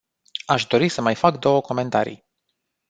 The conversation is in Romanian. Aș dori să mai fac două comentarii.